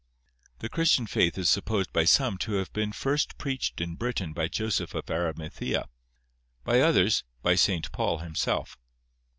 The Christian faith is supposed by some to have been first preached in Britain by Joseph of Arimathea; by others, by St. Paul himself.